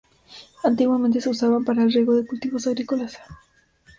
Antiguamente se usaban para el riego de cultivos agrícolas.